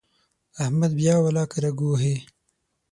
احمد بیا ولاکه رګ ووهي.